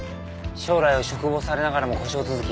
将来を嘱望されながらも故障続き。